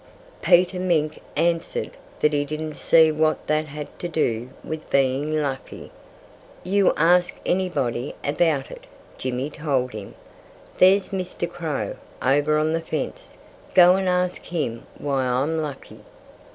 _" Peter Mink answered that he didn't see what that had to do with being lucky. "You ask anybody about it," Jimmy told him. "There's Mr. Crow, over on the fence. Go and ask him why I'm lucky."